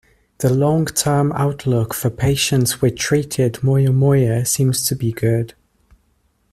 The long term outlook for patients with treated moyamoya seems to be good.